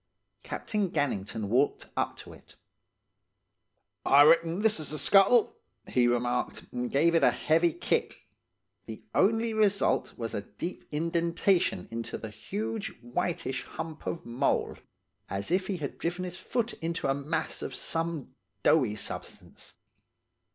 Captain Gannington walked up to it. "'I reck'n this's the scuttle,' he remarked, and gave it a heavy kick. The only result was a deep indentation into the huge, whiteish hump of mould, as if he had driven his foot into a mass of some doughy substance.